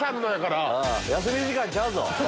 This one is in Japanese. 休み時間ちゃうぞ！